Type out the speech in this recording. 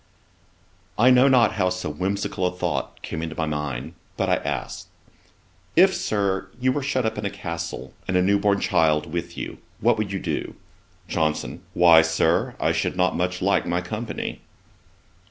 I know not how so whimsical a thought came into my mind, but I asked, 'If, Sir, you were shut up in a castle, and a newborn child with you, what would you do?' JOHNSON. 'Why, Sir, I should not much like my company.'